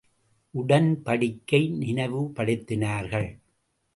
உடன்படிக்கையை நினைவு படுத்தினார்கள்.